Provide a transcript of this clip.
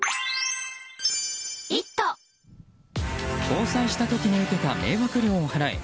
交際した時に受けた迷惑料を払え。